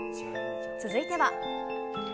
続いては。